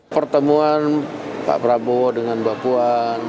pertemuan pak prabowo dengan bapuan